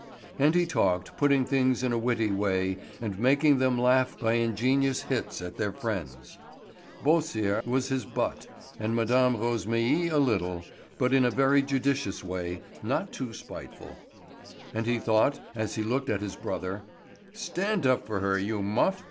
And he talked, putting things in a witty way, and making them laugh by ingenious hits at their friends. Beausire was his butt, and Mme. Rosémilly a little, but in a very judicious way, not too spiteful. And he thought as he looked at his brother: "Stand up for her, you muff.